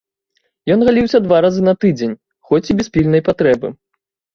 Ён галіўся два разы на тыдзень, хоць і без пільнай патрэбы.